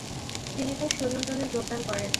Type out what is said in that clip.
তিনি তার সৈন্যদলে যোগদান করেন।